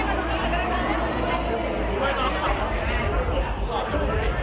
ก็ไม่มีเวลาให้กลับมาเที่ยว